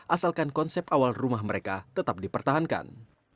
asalkan konsep awal rumah mereka tetap dipertahankan